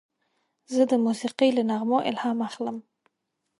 زه د موسیقۍ له نغمو الهام اخلم.